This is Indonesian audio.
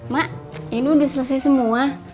mak ini udah selesai semua